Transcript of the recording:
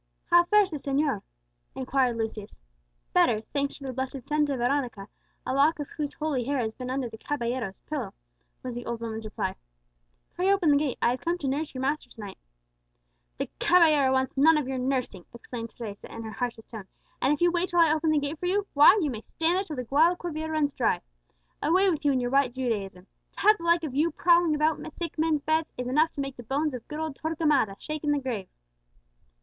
"How fares the señor?" inquired Lucius. "Better, thanks to the blessed Santa Veronica, a lock of whose holy hair has been under the caballero's pillow," was the old woman's reply. "Pray open the gate; I have come to nurse your master to night," said Lucius. "The caballero wants none of your nursing," exclaimed Teresa, in her harshest tone; "and if you wait till I open the gate for you, why, you may stand there till the Guadalquivir runs dry! Away with you and your white Judaism! To have the like of you prowling about sick men's beds is enough to make the bones of good old Torquemada shake in the grave!"